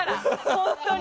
本当に！